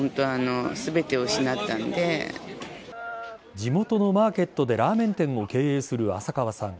地元のマーケットでラーメン店を経営する浅川さん。